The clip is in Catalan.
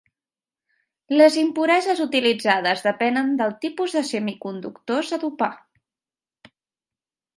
Les impureses utilitzades depenen del tipus de semiconductors a dopar.